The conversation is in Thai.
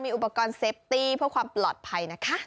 อุปกรณ์เซฟตี้เพื่อความปลอดภัยนะคะ